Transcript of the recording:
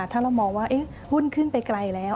ถ้าเรามองว่าหุ้นขึ้นไปไกลแล้ว